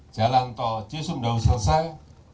jalan tol cisumdawu selesai